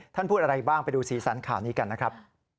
พูดอะไรบ้างไปดูสีสันข่าวนี้กันนะครับ